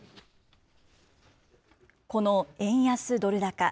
この円安ドル高。